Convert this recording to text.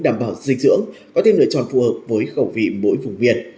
đảm bảo dinh dưỡng có thêm lựa chọn phù hợp với khẩu vị mỗi vùng miền